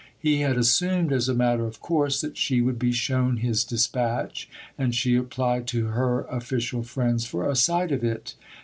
He had assumed as a matter of course that she would be shown his dispatch, and she applied to her official friends for a sight of it.